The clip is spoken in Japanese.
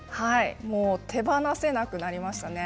もう手放せなくなりましたね。